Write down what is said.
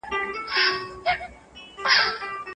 په دغه سیمه کي جګ غرونه او لويې شېلې لیدل کېږي